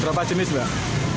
berapa jenis mbak